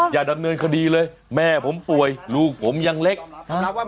อย่าดำเนินคดีเลยแม่ผมป่วยลูกผมยังเล็กยอมรับว่า